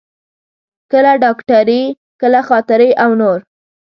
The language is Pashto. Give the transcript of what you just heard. کله ډاکټري، کله خاطرې او نور.